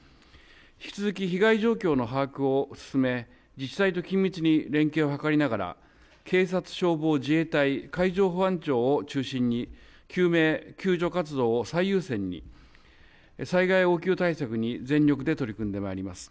引き続き被害状況の把握を進め自治体と緊密に連携を図りながら警察、消防、自衛隊海上保安庁を中心に救命・救助活動を最優先に災害応急対策に全力で取り組んでまいります。